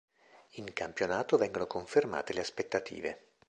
In campionato vengono confermate le aspettative.